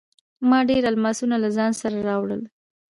ما ډیر الماسونه له ځان سره راوړل.